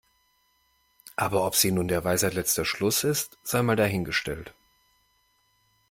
Aber ob sie nun der Weisheit letzter Schluss ist, sei mal dahingestellt.